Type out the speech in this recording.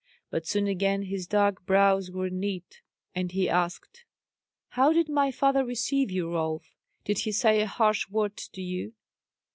But soon again his dark brows were knit, and he asked, "How did my father receive you, Rolf? Did he say a harsh word to you?"